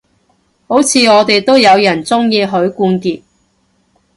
好似我哋都有人鍾意許冠傑